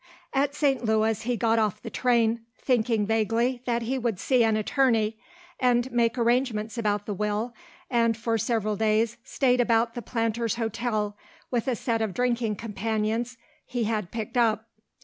At St. Louis he got off the train, thinking vaguely that he would see an attorney and make arrangements about the will, and for several days stayed about the Planters Hotel with a set of drinking companions he had picked up.